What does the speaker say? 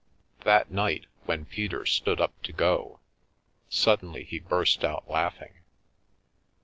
That night, when Peter stood up to go, suddenly he burst out laughing.